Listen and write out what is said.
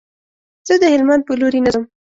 زه د هلمند په لوري نه ځم.